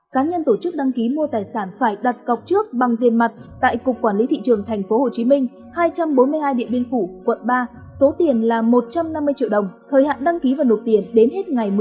cá nhân tổ chức đăng ký mua tài sản phải đặt cọc trước bằng tiền mặt tại cục quản lý thị trường tp hcm hai trăm bốn mươi hai điện biên phủ quận ba số tiền là một trăm năm mươi triệu đồng thời hạn đăng ký và nộp tiền đến hết ngày một mươi chín tháng năm